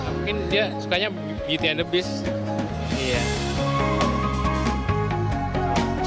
mungkin dia sukanya beauty and the beast